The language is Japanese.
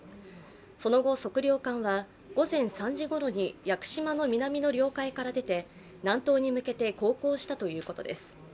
その後、測量艦は午前３時ごろに屋久島の南の領海から出て南東に向けて航行したということです。